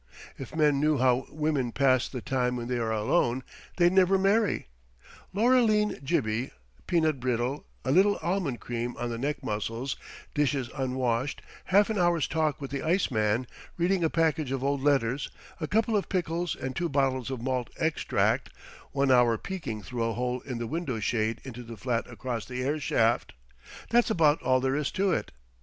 If men knew how women pass the time when they are alone they'd never marry. Laura Lean Jibbey, peanut brittle, a little almond cream on the neck muscles, dishes unwashed, half an hour's talk with the iceman, reading a package of old letters, a couple of pickles and two bottles of malt extract, one hour peeking through a hole in the window shade into the flat across the air shaft—that's about all there is to it.